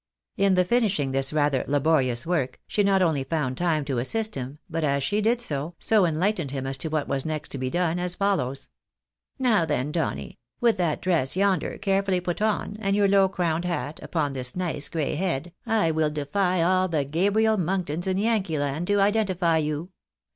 In the finishing this rather laborious work, she not only found time to assist Mm, but, as she did so, enlightened him as to what was next to be done, as follows: —" Now then, Donny, with that dress yonder, carefully put on, and your low crowned hat, upon this nice gray head, I will defy all the Gabriel Monktons in Yankee land to identify you.